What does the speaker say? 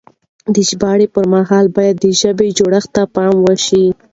د ژباړې پر مهال بايد د ژبې جوړښت ته پام وشي.